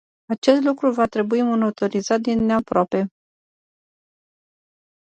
Acest lucru va trebui monitorizat îndeaproape.